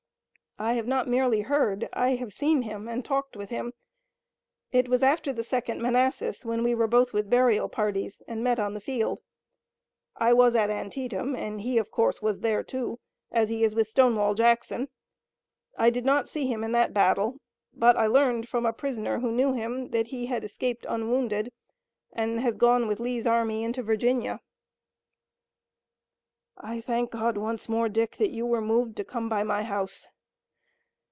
"I have not merely heard. I have seen him and talked with him. It was after the Second Manassas, when we were both with burial parties, and met on the field. I was at Antietam, and he, of course, was there, too, as he is with Stonewall Jackson. I did not see him in that battle, but I learned from a prisoner who knew him that he had escaped unwounded, and had gone with Lee's army into Virginia." "I thank God once more, Dick, that you were moved to come by my house.